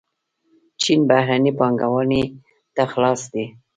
چین بهرنۍ پانګونې ته خلاص دی.